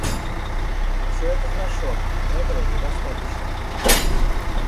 Все это хорошо, но этого недостаточно.